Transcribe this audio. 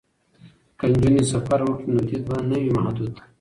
که نجونې سفر وکړي نو دید به نه وي محدود.